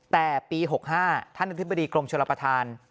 แต่ปี๖๕ท่านอธิบดีกรมชลประธาน